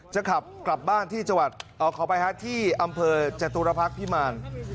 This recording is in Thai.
จะขับกลับบ้านที่จังหวัดขอไปฮะที่อำเภอจตุรพักษ์พิมาร